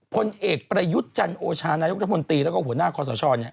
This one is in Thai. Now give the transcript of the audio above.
พลเอกประยุจจันโอชาณายกระพนตรีแล้วก็หัวหน้าคอสช